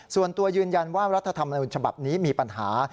ส่วนตัวยืนยันว่ารัฐธรรมนุนฉบับนี้มีปัญหา